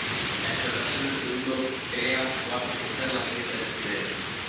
La explotación del segundo crea o hace crecer la riqueza del primero.